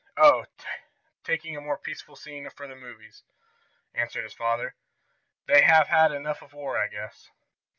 "Oh, taking a more peaceful scene for the movies," answered his father. "They have had enough of war, I guess."